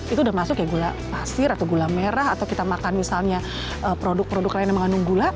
itu udah masuk ya gula pasir atau gula merah atau kita makan misalnya produk produk lain yang mengandung gula